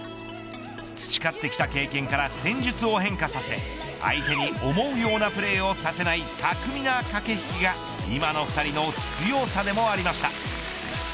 培ってきた経験から戦術を変化させ相手に思うようなプレーをさせない巧みな駆け引きが今の２人の強さでもありました。